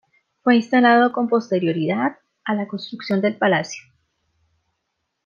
Fue instalado con posterioridad a la construcción del palacio.